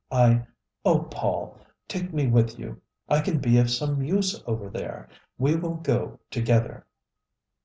I Oh, Paul, take me with you! I can be of some use over there. We will go together."